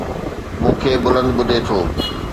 مون کي بلند ٻڌي ٿو